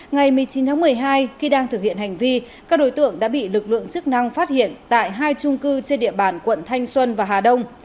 ngày một mươi chín tháng một mươi hai khi đang thực hiện hành vi các đối tượng đã bị lực lượng chức năng phát hiện tại hai trung cư trên địa bàn quận thanh xuân và hà đông